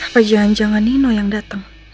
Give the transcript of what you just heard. pajangan jangan nino yang datang